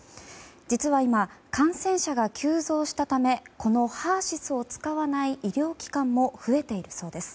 実は今、感染者が急増したためこのＨＥＲ‐ＳＹＳを使わない医療機関も増えているそうです。